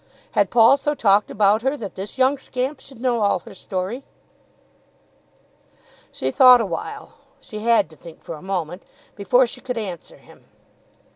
Had Paul so talked about her that this young scamp should know all her story? She thought awhile, she had to think for a moment, before she could answer him.